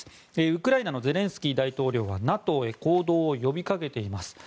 ウクライナのゼレンスキー大統領はＮＡＴＯへ行動を呼びかけています。